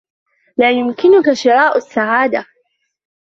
لا يمكنك شراء السعادة.